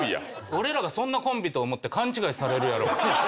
「俺らがそんなコンビと思って勘違いされるやろ」